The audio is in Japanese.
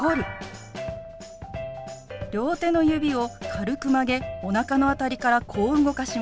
両手の指を軽く曲げおなかの辺りからこう動かします。